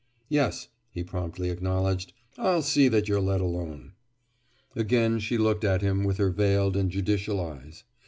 "Yes," he promptly acknowledged. "I'll see that you're let alone." Again she looked at him with her veiled and judicial eyes.